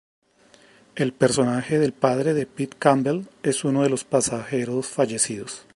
El personaje del padre de Pete Campbell es uno de los pasajeros fallecidos.